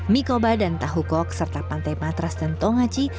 mie koba dan tahu kok serta pantai matras dan tongaci